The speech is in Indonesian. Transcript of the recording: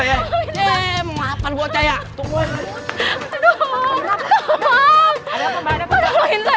jamret aja lari kesana